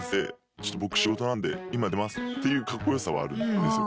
ちょっと僕仕事なんで今出ます」っていうカッコよさはあるんですよ。